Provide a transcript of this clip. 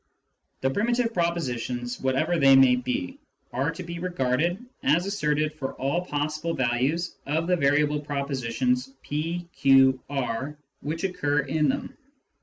The primitive propositions, whatever they may be, are to be regarded as asserted for all possible values of the variable propositions p, q, r which occur in them.